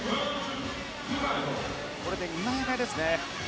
これで２枚替えですね。